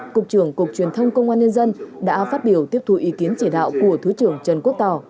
cục trưởng cục truyền thông công an nhân dân đã phát biểu tiếp thù ý kiến chỉ đạo của thứ trưởng trần quốc tỏ